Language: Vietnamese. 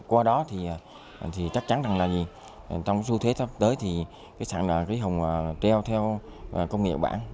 qua đó thì chắc chắn là trong su thế tấp tới thì cái hồng treo theo công nghệ bản